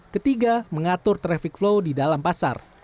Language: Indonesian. ketiga mengatur traffic flow di dalam pasar